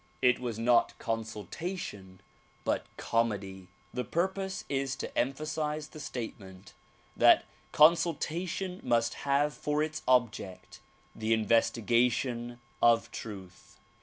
It was not consultation but comedy. The purpose is to emphasize the statement that consultation must have for its object the investigation of truth.